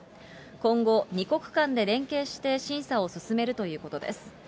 今後、２国間で連携して審査を進めるということです。